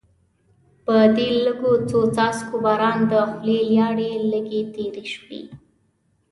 په دې لږو څو څاڅکو باران د خولې لاړې لږې تېرې شوې.